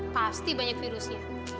pasti banyak virusnya